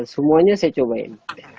semuanya saya cobain